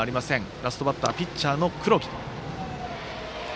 ラストバッターピッチャーの黒木。